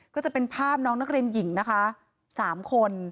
ก็จะเป็นภาพน้องนักเรียนหญิงนะคะ๓คน